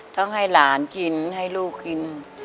ต้องให้หลานกินให้ลูกกิน